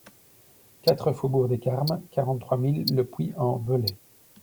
quatre faubourg des Carmes, quarante-trois mille Le Puy-en-Velay